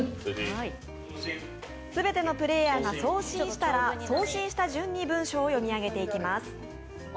すべてのプレーヤーが送信したら送信した順に文章を読み上げていきます。